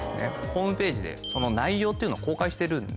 ホームぺージでその内容っていうのを公開してるんですよ。